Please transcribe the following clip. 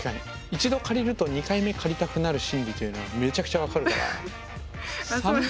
一度借りると２回目借りたくなる心理というのはめちゃくちゃ分かるから。